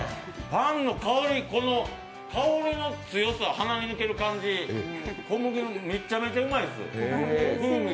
パンの香りの強さ、鼻に抜ける感じ、小麦のめっちゃめちゃうまいです。